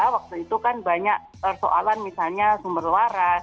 waktu itu kan banyak persoalan misalnya sumber waras